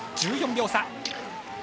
１４秒差。